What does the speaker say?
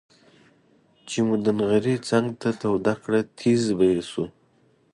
چې مو د نغري څنګ ته توده کړه تيزززز به یې شو.